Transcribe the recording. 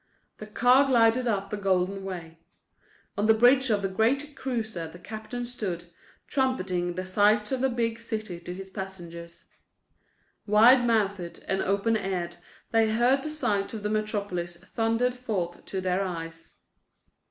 The car glided up the Golden Way. On the bridge of the great cruiser the captain stood, trumpeting the sights of the big city to his passengers. Wide mouthed and open eared, they heard the sights of the metropolis thundered forth to their eyes.